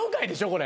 これ。